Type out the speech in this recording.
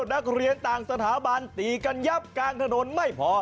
นักเรียนต่างสถาบันตีกันยับกลางถนนไม่พอ